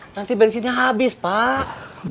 nanti bensinnya habis pak